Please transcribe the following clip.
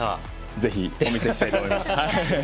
ぜひお見せしたいと思います。